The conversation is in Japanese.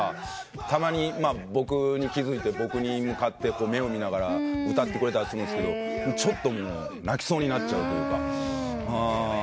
たまに僕に気付いて僕に向かって目を見ながら歌ってくれたりするんですけどちょっと泣きそうになっちゃうというか。